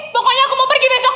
pokoknya aku mau pergi besok